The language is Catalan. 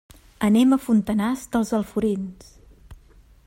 Anem a Fontanars dels Alforins.